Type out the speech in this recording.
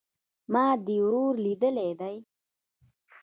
ما دي ورور ليدلى دئ